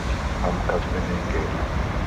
ہم کب ملیں گے؟